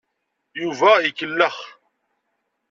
Yuba ikellex.